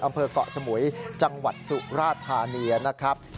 อำเภอกเกาะสมุยจังหวัดสุราธานีนะครับ